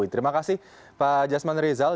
terima kasih pak jasman rizal